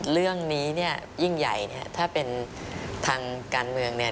เรื่องนี้ยิ่งใหญ่ถ้าเป็นทางการเมือง